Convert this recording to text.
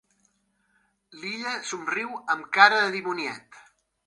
L'Illa somriu amb cara de dimoniet.